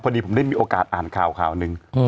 พอดีผมได้มีโอกาสอ่านข่าวนึง